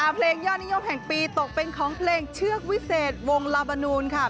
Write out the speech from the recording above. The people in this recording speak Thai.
เพลงยอดนิยมแห่งปีตกเป็นของเพลงเชือกวิเศษวงลาบานูนค่ะ